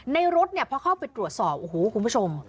รถเนี่ยพอเข้าไปตรวจสอบโอ้โหคุณผู้ชม